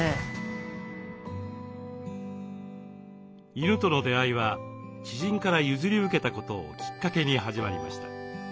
犬との出会いは知人から譲り受けたことをきっかけに始まりました。